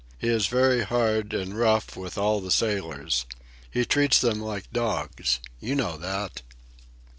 He is very hard and rough with all the sailors. He treats them like dogs. You know that."